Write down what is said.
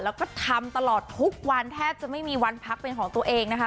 แล้วก็ทำตลอดทุกวันแทบจะไม่มีวันพักเป็นของตัวเองนะคะ